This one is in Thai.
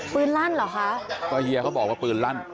ลั่นเหรอคะก็เฮียเขาบอกว่าปืนลั่น